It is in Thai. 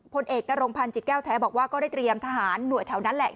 พลเอกนรงพันธ์จิตแก้วแท้บอกว่าก็ได้เตรียมทหารหน่วยแถวนั้นแหละ